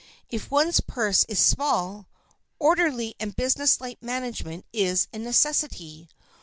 If one's purse is small, orderly and businesslike management is a necessity.